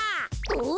お。